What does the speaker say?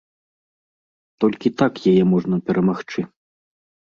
Толькі так яе можна перамагчы.